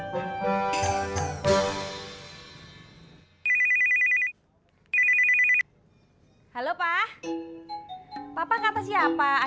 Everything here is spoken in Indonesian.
bapak menuru eropa telah mengangkat pembicaraan ibadah